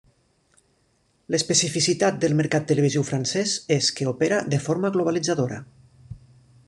L'especificitat del mercat televisiu francès és que opera de forma globalitzadora.